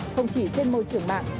không chỉ trên môi trường mạng